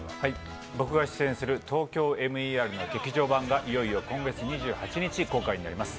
僕が出演する「ＴＯＫＹＯＭＥＲ」の劇場版がいよいよ今月２８日公開になります。